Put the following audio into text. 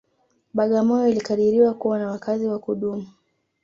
Bagamoyo ilikadiriwa kuwa na wakazi wa kudumu